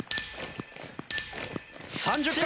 ３０回。